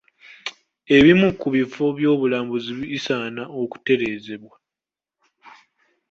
Ebimu ku bifo by'obulambuzi bisaana okutereezebwa.